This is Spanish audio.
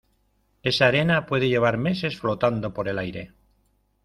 esa arena puede llevar meses flotando por el aire.